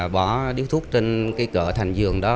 bỏ điếu thuốc trên cỡ thành dường đó